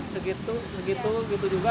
segitu segitu gitu juga